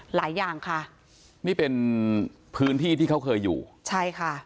หลายอย่างค่ะนี่เป็นพื้นที่ที่เขาเคยอยู่ใช่ค่ะ